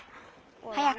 早く。